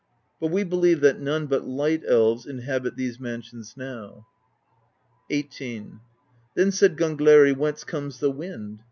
But we believe that none but Light Elves inhabit these mansions now." XVIII. Then said Gangleri: "Whence comes the wind?